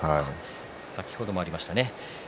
先ほどもありましたね。